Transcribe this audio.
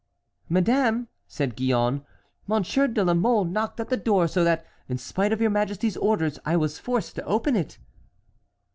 "Madame," said Gillonne, "Monsieur de la Mole knocked at the door so that, in spite of your majesty's orders, I was forced to open it."